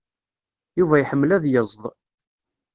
Yuba iḥemmel ad yeẓd.